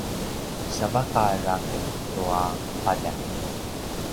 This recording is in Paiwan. savaqar aken tua paday